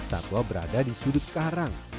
satwa berada di sudut karang